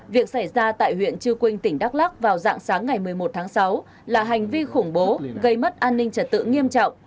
việc xảy ra tại huyện chư quynh tỉnh đắk lắc vào dạng sáng ngày một mươi một tháng sáu là hành vi khủng bố gây mất an ninh trật tự nghiêm trọng